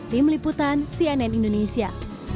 tim liputan cnn indonesia